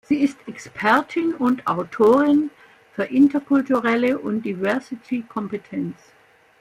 Sie ist Expertin und Autorin für "Interkulturelle und Diversity-Kompetenz.